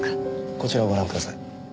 こちらをご覧ください。